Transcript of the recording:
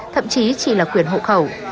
thậm chí chỉ là quyền hộ khẩu